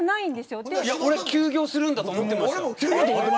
俺、休業するんだと思っていました。